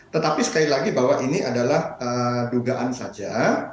tetapi sekali lagi bahwa ini adalah dugaan saja